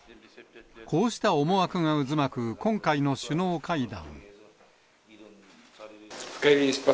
こうした思惑が渦巻く、今回の首脳会談。